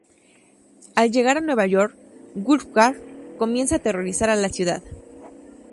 Al llegar a Nueva York, Wulfgar comienza a aterrorizar a la ciudad.